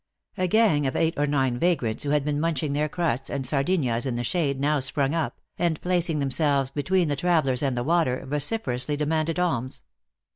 A gang of eight or nine vag rants, who had been munching their crusts and sar dinhas in the shade, now sprung up, and placing themselves between the travelers and the water, voci ferously demanded alms.